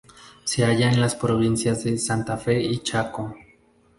Se halla en las provincias de Santa Fe y Chaco.